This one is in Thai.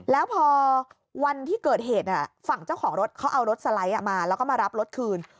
แล้วพอวันที่เกิดเหตุฝั่งเจ้าของรถเขาเอารถสไลด์มาแล้วก็มารับรถคืน